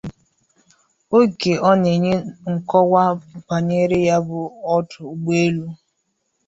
Oge ọ na-enye nkọwa banyere ya bụ ọdụ ụgbọelu